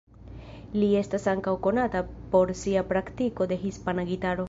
Li estas ankaŭ konata por sia praktiko de hispana gitaro.